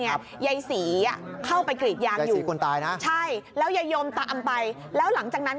ยายศรีเข้าไปกรีดยางอยู่ใช่แล้วยายมตามไปแล้วหลังจากนั้น